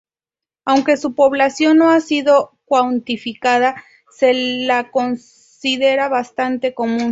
Aunque su población no ha sido cuantificada, se la considera bastante común.